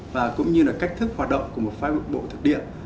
và cũng như là cách thức hoạt động của một phái bộ thực địa